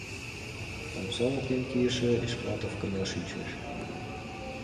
Омса воктен кийыше Эшплатов кынел шинчеш.